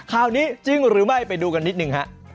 ข่าวนี้จริงหรือไม่ไปดูกันนิดหนึ่งฮะ